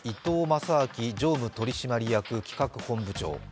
正明常務取締役企画本部長。